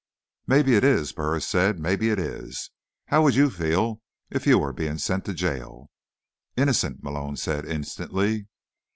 "Maybe it is," Burris said. "Maybe it is. How would you feel if you were being sent to jail?" "Innocent," Malone said instantly.